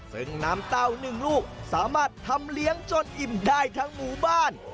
ซึ่งน้ำเต้าหนึ่งลูกสามารถทำเลี้ยงจนอิ่มได้ทั้งหมู่บ้าน